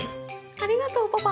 ありがとうパパ。